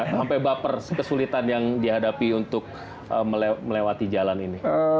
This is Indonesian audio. sampai baper kesulitan yang dihadapi untuk melewati jalan ini